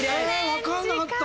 分かんなかった。